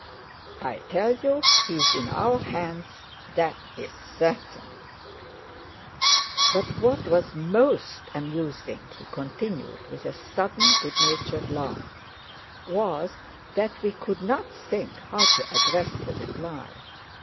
I tell you he is in our hands, that's certain! But what was most amusing," he continued, with a sudden, good natured laugh, "was that we could not think how to address the reply!